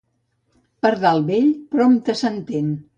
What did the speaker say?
Pardal vell prompte s'entén.